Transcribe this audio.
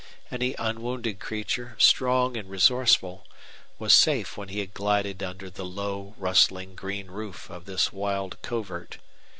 Any unwounded creature, strong and resourceful, was safe when he had glided under the low, rustling green roof of this wild covert.